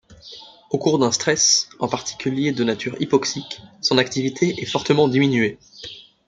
Au cours d'un stress, en particulier de nature hypoxique, son activité est fortement diminuée.